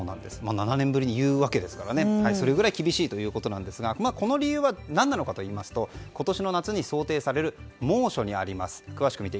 ７年ぶりに言うわけですからそれぐらい厳しいわけですがこの理由は何なのかといいますと今年の夏に想定される猛暑にあります。